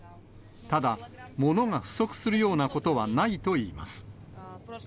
ただ、物が不足するようなことはないといいます。